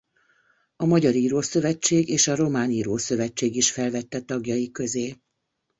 A Magyar Írószövetség és a Román Írószövetség is felvette tagjai közé.